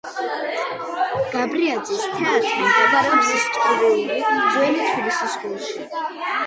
გაბრიაძის თეატრი მდებარეობს ისტორიული ძველი თბილისის გულში.